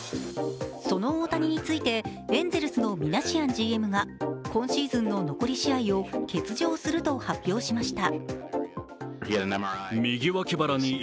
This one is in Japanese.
その大谷についてエンゼルスのミナシアンＧＭが今シーズンの残り試合を欠場すると発表しました。